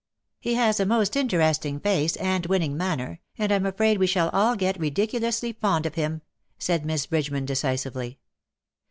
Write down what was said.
" He has a most interesting face and winning manner, and I^ii afraid we shall all get ridiculously fond of him/^ said Miss Bridgeman, decisively.